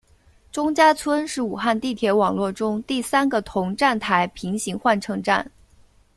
钟家村是武汉地铁网络中第三个同站台平行换乘站。